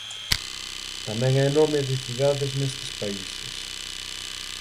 Tamén é nome de cidades nestes países.